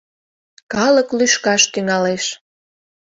Калык лӱшкаш тӱҥалеш.